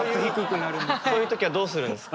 そういう時はどうするんですか？